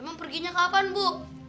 emang perginya kapan bu